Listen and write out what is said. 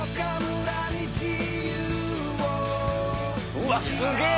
うわすげぇ！